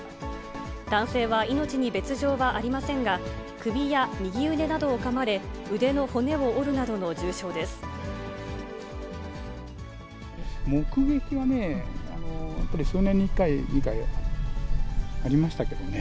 男性は命に異常はありませんが、首や右腕などをかまれ、腕の骨を目撃はね、数年に１回や２回、ありましたけどね。